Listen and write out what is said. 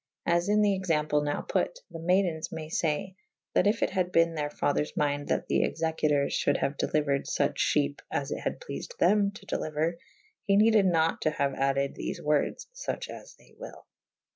As in the exam ple now put / the maydens may fay that yf it had bene theyr fathers mynde that the executours fhulde haue delyuered fuche fhepe as it had pleafed them to delyuer : he neded nat to haue added thefe wordes fuch as they wyll.